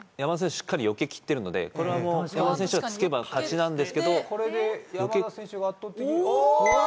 しっかりよけきってるのでこれは山田選手が突けば勝ちなんですけどこれで山田選手が圧倒的におお！